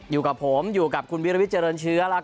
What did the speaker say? อยู่กับผมอยู่กับคุณวิรวิทยเจริญเชื้อ